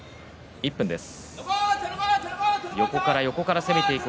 １分です。